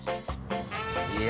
いや